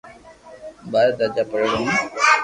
ھون ٻارآ درجہ پڙھيڙو ھون